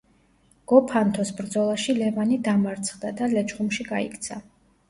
გოფანთოს ბრძოლაში ლევანი დამარცხდა და ლეჩხუმში გაიქცა.